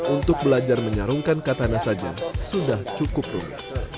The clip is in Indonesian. untuk belajar menyarungkan katana saja sudah cukup rumit